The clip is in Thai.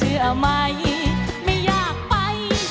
ฮุยฮาฮุยฮารอบนี้ดูทางเวที